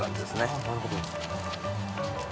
あっなるほど。